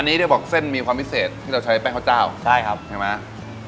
อันนี้ได้บอกเส้นมีความพิเศษที่เราใช้แป้งข้าวเจ้าใช่ครับใช่ไหม